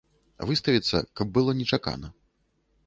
Выставіцца, каб было нечакана.